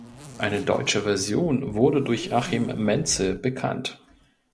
Eine deutsche Version wurde durch Achim Mentzel bekannt.